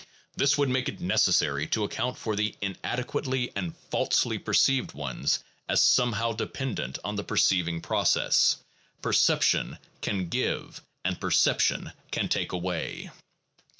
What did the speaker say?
This would make it necessary to account for the inadequately and falsely perceived ones as somehow dependent on the perceiving process; perception can give and perception can take away.